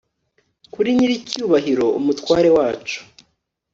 kuri nyiricyubahiro umutware wacu